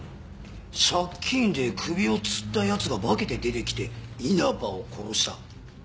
借金で首を吊った奴が化けて出てきて稲葉を殺した。